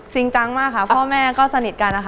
จริงจังมากค่ะพ่อแม่ก็สนิทกันนะคะ